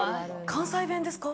関西弁ですか？